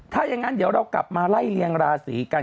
ถ้าอย่างนั้นเดี๋ยวเรากลับมาไล่เลียงราศีกัน